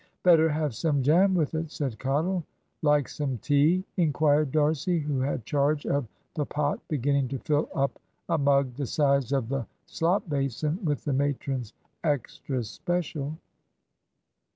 "Better have some jam with it," said Cottle. "Like some tea?" inquired D'Arcy, who had charge of the pot, beginning to fill up a mug the size of the slop basin with the matron's "extra special."